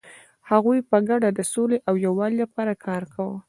هغوی په ګډه د سولې او یووالي لپاره کار کاوه.